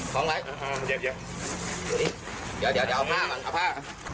ของอะไร